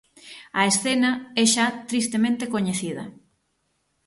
A escena é xa tristemente coñecida.